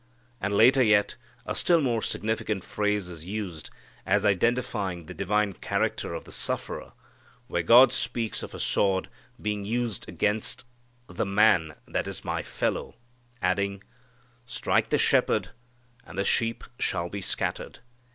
And later yet, a still more significant phrase is used, as identifying the divine character of the sufferer, where God speaks of a sword being used "against the man that is My Fellow," adding, "Strike the shepherd, and the sheep shall be scattered."